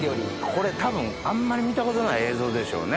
これ多分あんまり見たことない映像でしょうね。